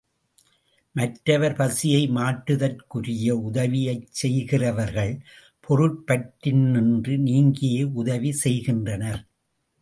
மற்றவர் பசியை மாற்றுதற்குரிய உதவியைச் செய்கிறவர்கள் பொருட்பற்றினின்று நீங்கியே உதவி செய்கின்றனர்.